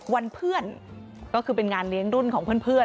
วันเพื่อนก็คือเป็นงานเลี้ยงรุ่นของเพื่อน